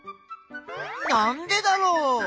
なんでだろう？